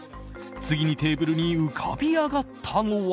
次にテーブルに浮かび上がったのは。